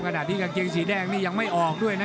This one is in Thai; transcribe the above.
ขณะที่กางเกงสีแดงนี่ยังไม่ออกด้วยนะ